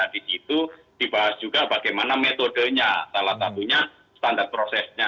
di situ dibahas juga bagaimana metodenya salah satunya standar prosesnya